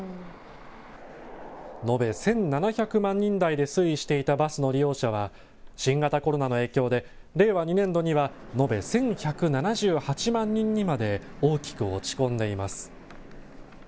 延べ１７００万人台で推移していたバスの利用者は新型コロナの影響で令和２年度には延べ１１７８万人にまで大きく落ち込んでいます。